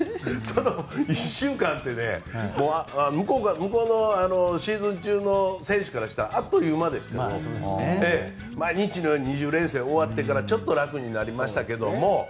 １週間ってね、向こうのシーズン中の選手からしたらあっという間ですけど２０連戦が終わってからちょっと楽になりましたけども。